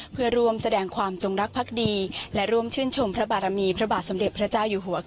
เพื่อร่วมแสดงความจงรักภักดีและร่วมชื่นชมพระบารมีพระบาทสมเด็จพระเจ้าอยู่หัว